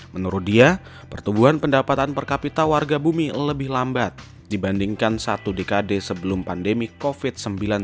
menurut dia pertumbuhan pendapatan per kapita warga bumi lebih lambat dibandingkan satu dekade sebelum pandemi covid sembilan belas